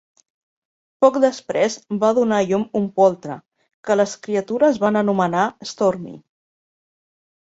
Poc després, va donar a llum un poltre, que les criatures van anomenar Stormy.